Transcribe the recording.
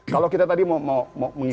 kalau kita tadi mau mengikuti logika berpikir